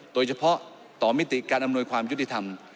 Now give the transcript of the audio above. โดยเฉพาะต่อมิติการอำนวยความยุติธรรม